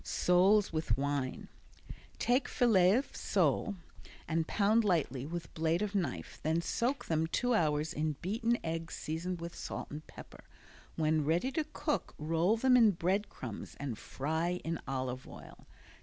Soles with Wine Take fillets of sole and pound lightly with blade of knife then soak them two hours in beaten eggs seasoned with salt and pepper. When ready to cook roll them in bread crumbs and fry in olive oil.